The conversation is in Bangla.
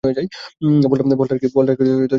ফলটার কি সব ঘৃণা ছুড়ে ফেলা উচিত না?